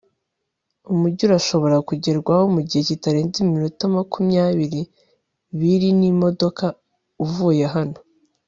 umujyi urashobora kugerwaho mugihe kitarenze iminota makumya biri n'imodoka uvuye hano